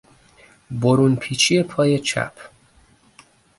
برون پیچی پای چپ